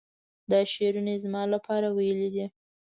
دا شعرونه یې زما لپاره ویلي دي.